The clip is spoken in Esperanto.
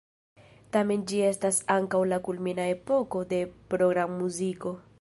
Tamen ĝi estas ankaŭ la kulmina epoko de programmuziko.